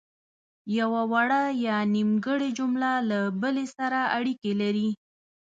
یوه وړه یا نیمګړې جمله له بلې سره اړیکې لري.